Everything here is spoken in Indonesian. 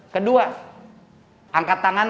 kedua angkat tangan